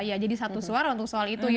iya jadi satu suara untuk soal itu